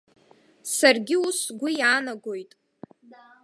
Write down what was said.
Саргьы ус сгәы иаанагоит.